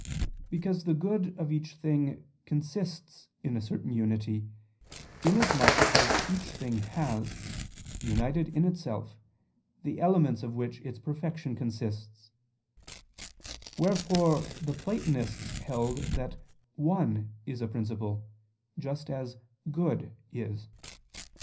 Because the good of each thing consists in a certain unity, inasmuch as each thing has, united in itself, the elements of which its perfection consists: wherefore the Platonists held that one is a principle, just as good is.